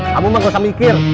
kamu mah gak usah mikir